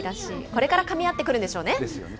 これからかみ合ってくるんですよね。